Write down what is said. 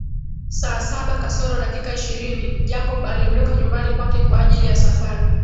Saa saba kasoro dakika ishirini Jacob aliondoka nyumbani kwake kwaajili ya safari